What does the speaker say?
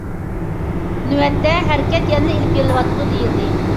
نۆۋەتتە ھەرىكەت يەنىلا ئېلىپ بېرىلىۋاتىدۇ، دېيىلدى.